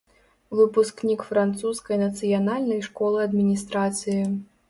Выпускнік французскай нацыянальнай школы адміністрацыі.